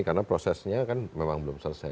karena prosesnya kan memang belum selesai